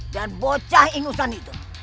dan bocah ingusan itu